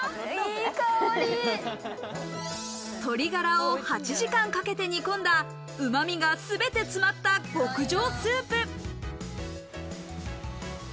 鶏ガラを８時間かけて煮込んだ、うま味がすべて詰まった極上スープ。